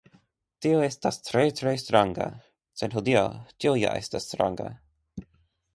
Tio estos tre, tre stranga, sed hodiaŭ ĉio ja estas stranga.